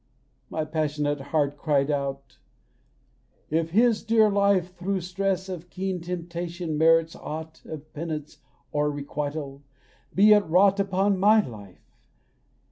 My passionate heart cried out: "If his dear life Through stress of keen temptation merits aught Of penance or requital, be it wrought Upon my life.